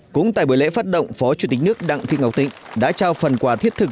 cũng tại buổi lễ phát động phó chủ tịch nước đặng thị ngọc thịnh đã trao phần quà thiết thực